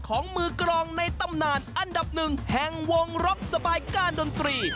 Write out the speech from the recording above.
ของมือกรองในตำนานอันดับหนึ่งแห่งวงรบสบายก้านดนตรี